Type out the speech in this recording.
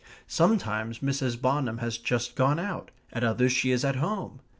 Sometimes Mrs. Bonham has just gone out; at others she is at home.